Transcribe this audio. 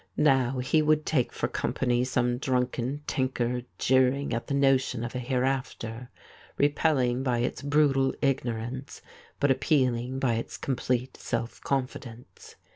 Now he would take for company some drunken tinker jeering at the notion of a here after, repelling by its brutal ignor ance but appealing by its complete self confidence.